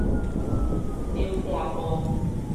頂半晡